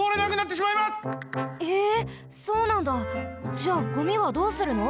じゃあゴミはどうするの？